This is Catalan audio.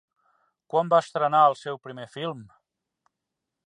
Quan va estrenar el seu primer film?